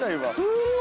うわ。